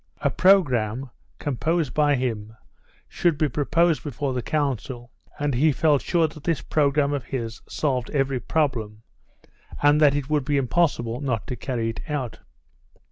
A programme, composed by him, should be proposed before the council, and he felt sure that this programme of his solved every problem, and that it would be impossible not to carry it out.